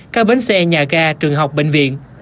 các bến xe nhà ga trường học bệnh viện